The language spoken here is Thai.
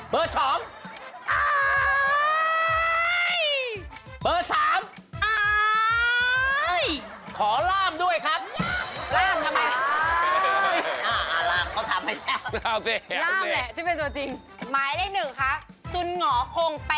เบอร์หนึ่งก่อน